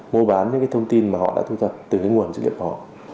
mua bán những cái thông tin mà họ đã thu thập từ cái nguồn dữ liệu của họ